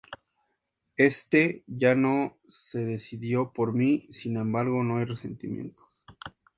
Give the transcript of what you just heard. Este ya no se decidió por mí, sin embargo, no hay resentimientos.